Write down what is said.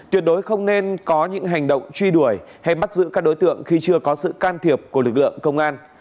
tuyệt đối không nên có những hành động truy đuổi hay bắt giữ các đối tượng khi chưa có sự can thiệp của lực lượng công an